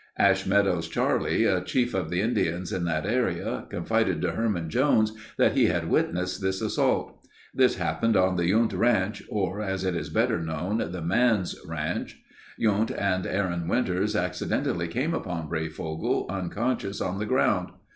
Ash Meadows Charlie, a chief of the Indians in that area confided to Herman Jones that he had witnessed this assault. This happened on the Yundt Ranch, or as it is better known, the Manse Ranch. Yundt and Aaron Winters accidentally came upon Breyfogle unconscious on the ground.